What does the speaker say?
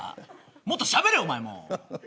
もっと、しゃべれよおまえも。